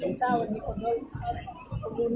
เวลาแรกพี่เห็นแวว